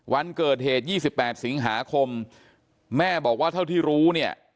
วันเกิดเหตุ๒๘สิงหาคมแม่บอกว่าเท่าที่รู้เนี่ย